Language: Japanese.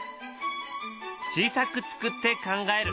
「小さく作って考える」。